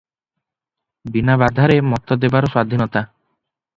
ବିନା ବାଧାରେ ମତ ଦେବାର ସ୍ୱାଧୀନତା ।